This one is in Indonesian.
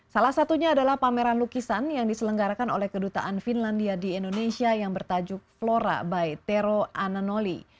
salah satunya adalah pameran lukisan yang diselenggarakan oleh kedutaan finlandia di indonesia yang bertajuk flora by thero ananoli